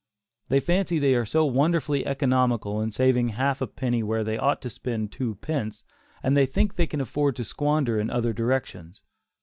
They fancy they are so wonderfully economical in saving a half penny where they ought to spend two pence, that they think they can afford to squander in other directions.